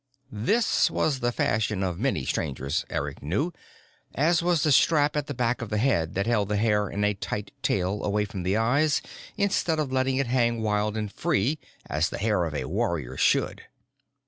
This was the fashion of many Strangers, Eric knew, as was the strap at the back of the head that held the hair in a tight tail away from the eyes instead of letting it hang wild and free as the hair of a warrior should.